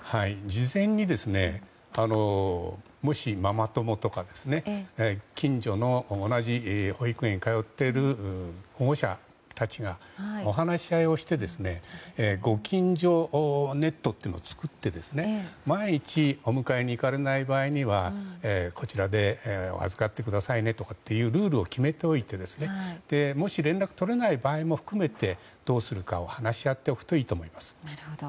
事前にもしママ友とか近所の同じ保育園に通っている保護者たちがお話し合いをして互近所ネットっていうのを作ってですね万一お迎えに行かれない場合はこちらで預かってくださいというルールを決めておいてもし連絡が取れない場合も含めてどうするかを話し合っておくといいと思います。